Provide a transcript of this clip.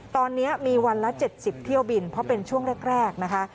ตอนนี้มีวันละ๗๐เที่ยวบินเพราะเป็นช่วงแรกนะคะ